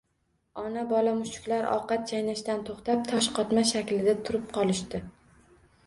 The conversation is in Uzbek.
Ona-bola mushuklar ovqat chaynashdan to‘xtab, toshqotma shaklida turib qolishdi